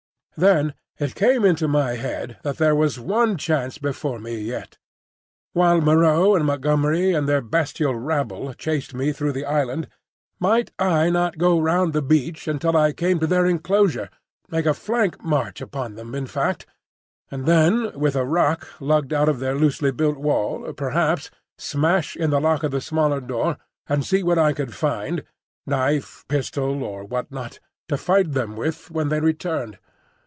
Then it came into my head that there was one chance before me yet. While Moreau and Montgomery and their bestial rabble chased me through the island, might I not go round the beach until I came to their enclosure,—make a flank march upon them, in fact, and then with a rock lugged out of their loosely built wall, perhaps, smash in the lock of the smaller door and see what I could find (knife, pistol, or what not) to fight them with when they returned?